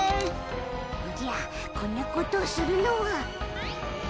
おじゃこんなことをするのは。